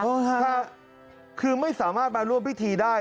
คือไม่สามารถมาร่วมพิธีได้